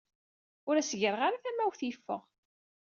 Ur as-gireɣ ara tamawt yeffeɣ.